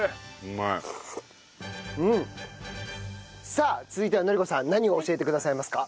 さあ続いては法子さん何を教えてくださいますか？